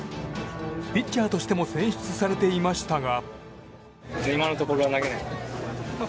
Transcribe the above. ピッチャーとしても選出されていましたが。